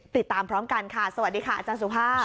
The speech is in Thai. ติดตามพร้อมกันค่ะสวัสดีค่ะอาจารย์สุภาพ